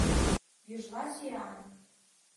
«Гӱжла сӱан.